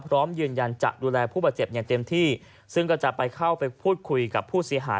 พร้อมยืนยันจะดูแลผู้บาดเจ็บอย่างเต็มที่ซึ่งก็จะไปเข้าไปพูดคุยกับผู้เสียหาย